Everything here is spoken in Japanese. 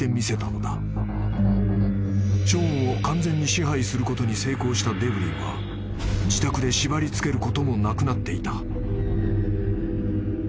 ［ショーンを完全に支配することに成功したデブリンは自宅で縛り付けることもなくなっていた］